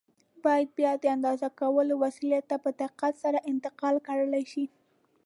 بیا باید د اندازه کولو وسیلې ته په دقت سره انتقال کړای شي.